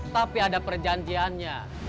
tapi ada perjanjiannya